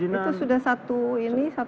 apa apa saja yang kemudahan yang diberikan